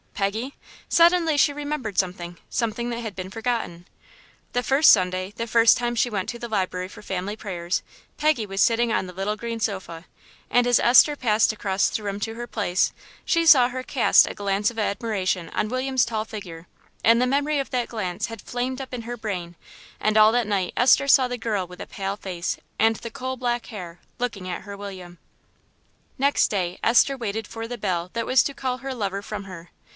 Peggy? Suddenly she remembered something something that had been forgotten. The first Sunday, the first time she went to the library for family prayers, Peggy was sitting on the little green sofa, and as Esther passed across the room to her place she saw her cast a glance of admiration on William's tall figure, and the memory of that glance had flamed up in her brain, and all that night Esther saw the girl with the pale face and the coal black hair looking at her William. Next day Esther waited for the bell that was to call her lover from her.